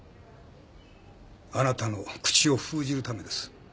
あなたの口を封じるためです。